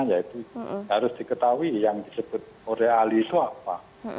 ya itu harus diketahui yang disebut real itu apa